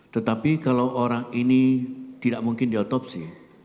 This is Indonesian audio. tetapi kalau orang ini tidak mungkin diotopsi